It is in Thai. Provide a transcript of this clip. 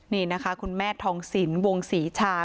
นี่นะคะคุณแม่ทองสินวงศรีชา